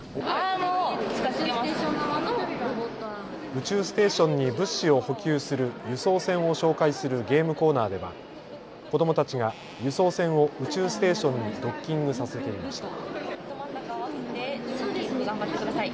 宇宙ステーションに物資を補給する輸送船を紹介するゲームコーナーでは子どもたちが輸送船を宇宙ステーションにドッキングさせていました。